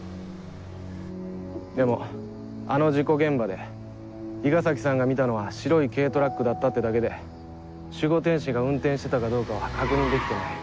でもあの事故現場で伊賀崎さんが見たのは白い軽トラックだったってだけで守護天使が運転してたかどうかは確認できてない。